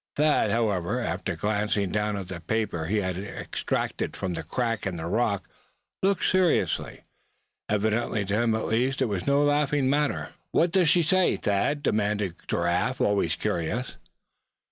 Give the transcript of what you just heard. Thad, however, after glancing down at the paper he had extracted from the crack in the rock, looked serious. Evidently to him at least it was no laughing matter. "What does she say, Thad?" demanded Giraffe, always curious.